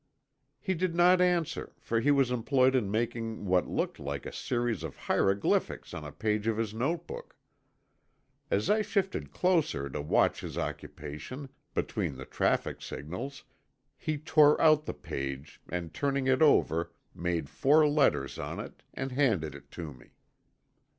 He did not answer for he was employed in making what looked like a series of hieroglyphics on a page of his notebook. As I shifted closer to watch his occupation, between the traffic signals, he tore out the page and turning it over made four letters on it and handed it to me.